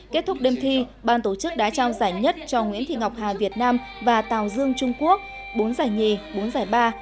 kết thúc đêm thi ban tổ chức đã trao giải nhất cho nguyễn thị ngọc hà việt nam và tàu dương trung quốc bốn giải nhì bốn giải ba